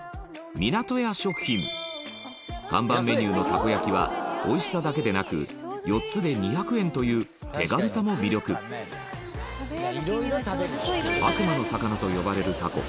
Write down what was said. みなとや食品看板メニューのたこ焼きはおいしさだけでなく４つで２００円という手軽さも魅力悪魔の魚と呼ばれるタコ